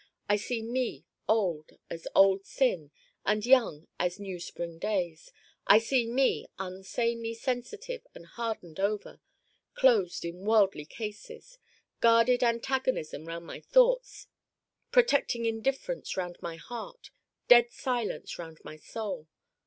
I see Me old as old sin and young as new Spring days. I see Me un sanely sensitive and hardened over closed in worldly cases: guarded antagonism round my thoughts, protecting indifference round my Heart, dead silence round my Soul.